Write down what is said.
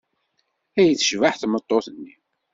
Ay tecbeḥ tmeṭṭut-nni!